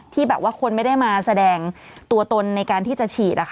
ที่แบบว่าคนไม่ได้มาแสดงตัวตนในการที่จะฉีด